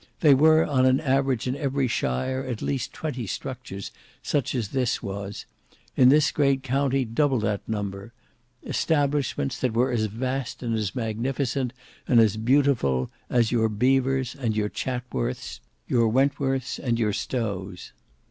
There were on an average in every shire at least twenty structures such as this was; in this great county double that number: establishments that were as vast and as magnificent and as beautiful as your Belvoirs and your Chatsworths, your Wentworths and your Stowes.